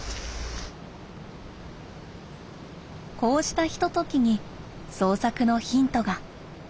こうしたひとときに創作のヒントが。